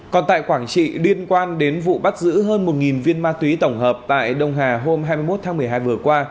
còn tại quảng trị liên quan đến vụ bắt giữ hơn một viên ma túy tổng hợp tại đông hà hôm hai mươi một tháng một mươi hai vừa qua